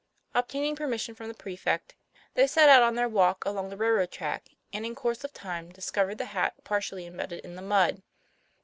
Obtaining permission from the prefect, they set out on their walk along the railroad track, and in course of time discovered the hat partially embedded in the mud.